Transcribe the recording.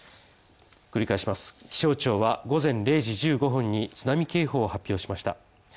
繰り返します、気象庁は午前０時１５分に津波警報を発表しました。